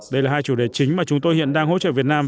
đây là hai chủ đề chính mà chúng tôi hiện đang hỗ trợ việt nam